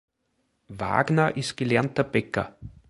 Wagner ist gelernter Bäcker.